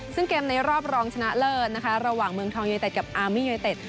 ซึ่งเกมในรอบรองชนะเลิศนะคะระหว่างเมืองทองยูเต็ดกับอาร์มี่ยูไนเต็ด